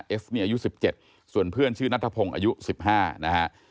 เอฟมีอายุสิบเจ็ดส่วนเพื่อนชื่อนัฐพงษ์อายุสิบห้านะฮะ